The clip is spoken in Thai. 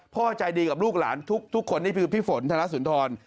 พ่อใจดีกับลูกหลานทุกคนนี่คือพี่ฝนธนสุนทร